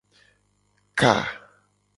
Ka.